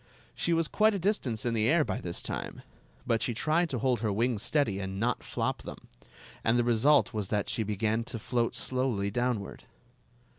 She was quite a distance in the air by this time ; but she tried to hold her wings steady and not flop them, and the result was that she began to float slowly downward.